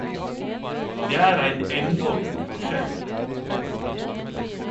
Det er ein enorm forskjell!